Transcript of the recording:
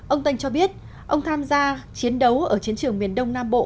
ông tân cho biết ông tham gia chiến đấu ở chiến trường miền đông nam bộ